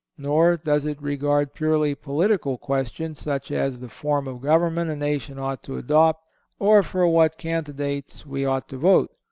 Nor does it regard purely political questions, such as the form of government a nation ought to adopt, or for what candidates we ought to vote.